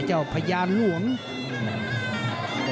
ไอ้เจ้าพยานหลวง